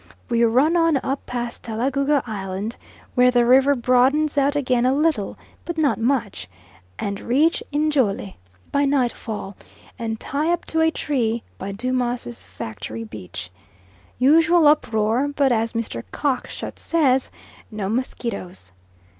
We run on up past Talagouga Island, where the river broadens out again a little, but not much, and reach Njole by nightfall, and tie up to a tree by Dumas' factory beach. Usual uproar, but as Mr. Cockshut says, no mosquitoes.